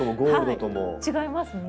違いますよね。